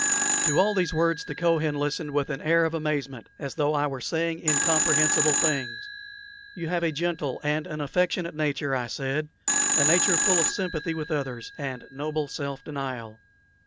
To all these words the Kohen listened with an air of amazement, as though I were saying incomprehensible things. "You have a gentle and an affectionate nature," I said "a nature full of sympathy with others, and noble self denial."